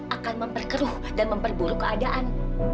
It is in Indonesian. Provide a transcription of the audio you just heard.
akan memperkeruh dan memperburuk keadaan